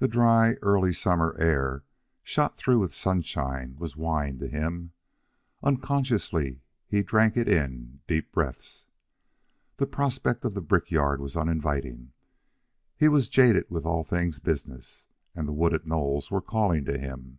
The dry, early summer air, shot through with sunshine, was wine to him. Unconsciously he drank it in deep breaths. The prospect of the brickyard was uninviting. He was jaded with all things business, and the wooded knolls were calling to him.